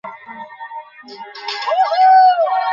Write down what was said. তো কি আমি সরিয়েছি?